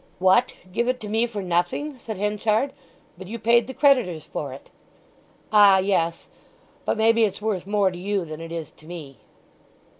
"What—give it to me for nothing?" said Henchard. "But you paid the creditors for it!" "Ah, yes; but maybe it's worth more to you than it is to me."